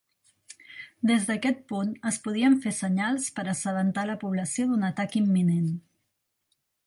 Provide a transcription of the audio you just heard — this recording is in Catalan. Des d'aquest punt es podien fer senyals per a assabentar la població d'un atac imminent.